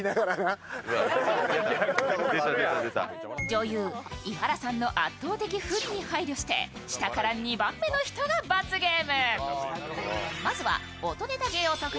女優・伊原さんの圧倒的不利に配慮して下から２番目の人が罰ゲーム。